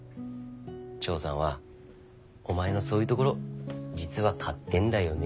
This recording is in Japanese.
長さんはお前のそういうところ実は買ってんだよね。